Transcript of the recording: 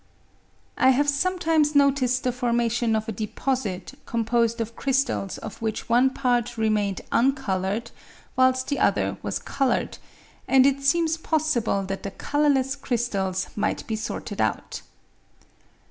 I have sometimes noticed the formation of a deposit composed of crystals of which one part remained un coloured, whilst the other was coloured, and it seems possible that the colourless crystals might be sorted out.